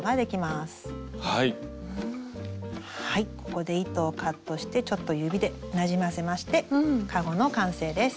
ここで糸をカットしてちょっと指でなじませましてかごの完成です。